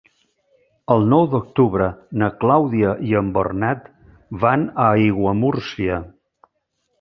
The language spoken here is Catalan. El nou d'octubre na Clàudia i en Bernat van a Aiguamúrcia.